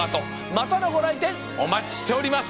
またのごらいてんおまちしております！